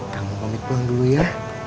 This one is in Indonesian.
kamu komit pulang dulu ya